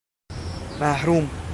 محروم